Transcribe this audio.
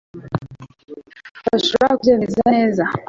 urashobora kubyemeza neza